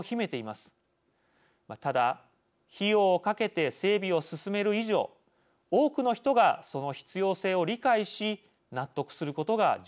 ただ費用を掛けて整備を進める以上多くの人がその必要性を理解し納得することが重要です。